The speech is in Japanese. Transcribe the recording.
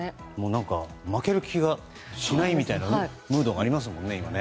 何か負ける気がしないみたいなムードがありますよね。